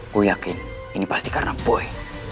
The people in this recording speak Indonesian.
aku yakin ini pasti karena boy